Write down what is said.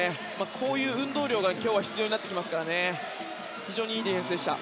こういう運動量が今日は必要になりますから非常にいいディフェンスでした。